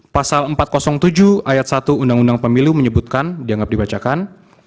pasal empat ratus tujuh ayat satu undang undang pemilu menyebutkan dianggap dibacakan